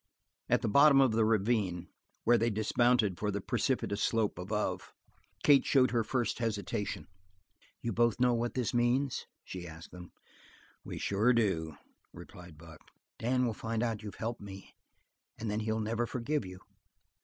At the bottom of the ravine, where they dismounted for the precipitous slope above, Kate showed her first hesitation. "You both know what it means?" she asked them. "We sure do," replied Buck. "Dan will find out that you've helped me, and then he'll never forgive you.